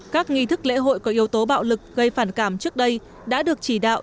các nghi thức lễ hội có yếu tố bạo lực gây phản cảm trước đây đã được chỉ đạo